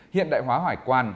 hiện đại hóa hải quan